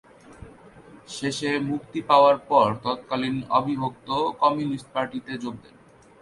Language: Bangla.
শেষে মুক্তি পাওয়ার পর তৎকালীন অবিভক্ত কমিউনিস্ট পার্টিতে যোগ দেন।